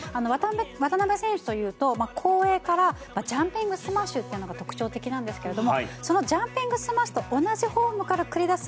渡辺選手というと後衛からジャンピングスマッシュというのが特徴的なんですがそのジャンピングスマッシュと同じフォームから繰り出す